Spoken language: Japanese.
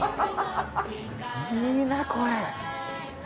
いいなこれ。